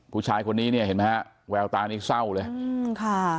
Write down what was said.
ผู้ชายคนนี้เนี่ยเห็นไหมฮะแววตานี่เศร้าเลยอืมค่ะ